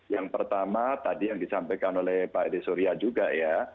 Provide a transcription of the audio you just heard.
yang pertama tadi yang disampaikan oleh pak edi surya juga ya